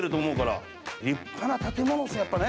立派な建物ですねやっぱね。